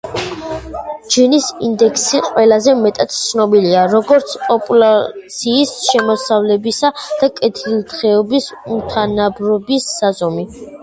ჯინის ინდექსი ყველაზე მეტად ცნობილია, როგორც პოპულაციის შემოსავლებისა და კეთილდღეობის უთანაბრობის საზომი.